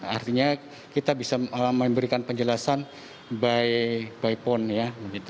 artinya kita bisa memberikan penjelasan by phone ya